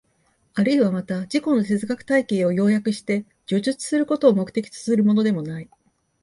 あるいはまた自己の哲学体系を要約して叙述することを目的とするものでもない。